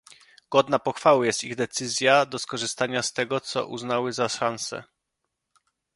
Godna pochwały jest ich decyzja do skorzystania z tego, co uznały za szansę